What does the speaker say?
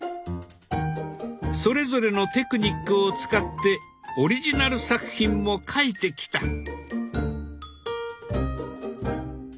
それぞれのテクニックを使ってオリジナル作品も描いてきた。